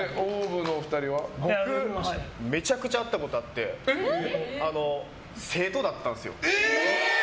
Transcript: めちゃくちゃ会ったことあって生徒だったんですよ。